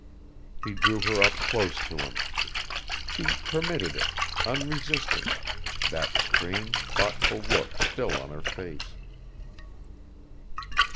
He drew her up close to him. She permitted it, unresisting, that strange, thoughtful look still on her face.